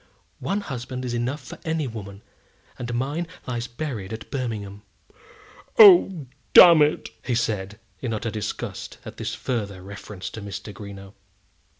One husband is enough for any woman, and mine lies buried at Birmingham." "Oh, damn it!" said he, in utter disgust at this further reference to Mr. Greenow.